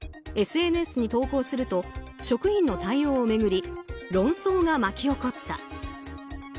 ＳＮＳに投稿すると職員の対応を巡り論争が巻き起こった。